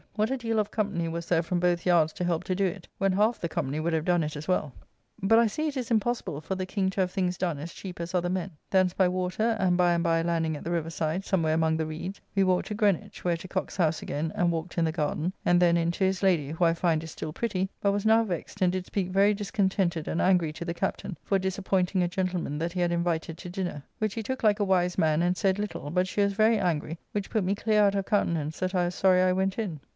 what a deal of company was there from both yards to help to do it, when half the company would have done it as well. But I see it is impossible for the King to have things done as cheap as other men. Thence by water, and by and by landing at the riverside somewhere among the reeds, we walked to Greenwich, where to Cocke's house again and walked in the garden, and then in to his lady, who I find is still pretty, but was now vexed and did speak very discontented and angry to the Captain for disappointing a gentleman that he had invited to dinner, which he took like a wise man and said little, but she was very angry, which put me clear out of countenance that I was sorry I went in.